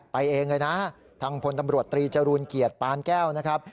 เองเลยนะทางพลตำรวจตรีจรูลเกียรติปานแก้วนะครับ